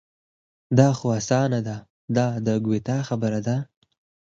دا خو اسانه ده دا د ګویته خبره ده.